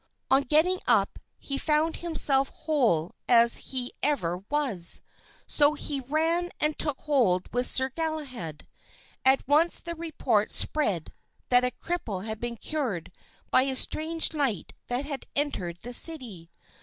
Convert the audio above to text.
On getting up he found himself whole as he ever was; so he ran and took hold with Sir Galahad. At once the report spread that a cripple had been cured by a strange knight that had entered the city.